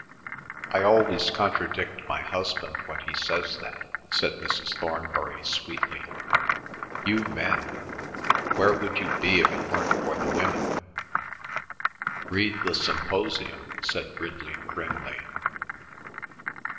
"I always contradict my husband when he says that," said Mrs. Thornbury sweetly. "You men! Where would you be if it weren't for the women!" "Read the Symposium," said Ridley grimly.